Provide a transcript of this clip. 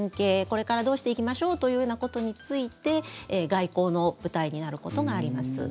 これからどうしていきましょうというようなことについて外交の舞台になることがあります。